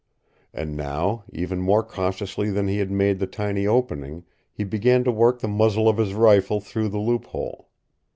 And now, even more cautiously than he had made the tiny opening, he began to work the muzzle of his rifle through the loophole.